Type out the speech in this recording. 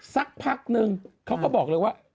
สักพักนึงเขาก็บอกเลยว่า